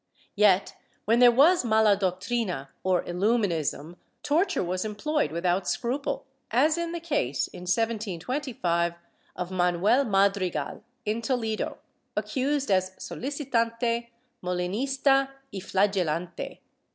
^ Yet, when there was mala doctrina or Illuminism torture was employed without scruple, as in the case, in 1725, of Manuel Madrigal, in Toledo, accused as "sohcitante, Molinista y flagelante."